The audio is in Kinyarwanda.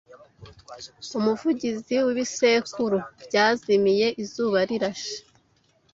umuvugizi wibisekuru byazimiye Izuba Rirashe